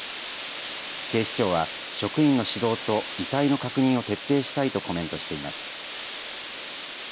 警視庁は職員の指導と遺体の確認を徹底したいとコメントしています。